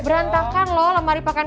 berantakan loh lemari pakaian